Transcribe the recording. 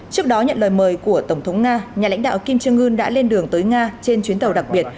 trước đó nhận lời mời của tổng thống nga nhà lãnh đạo kim trương ưn đã lên đường tới nga trên chuyến tàu đặc biệt